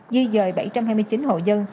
duy dời bảy trăm hai mươi chín hộ dân